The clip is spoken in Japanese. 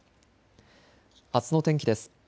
あすの天気です。